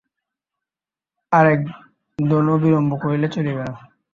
আর এক দণ্ডও বিলম্ব করিলে চলিবে না।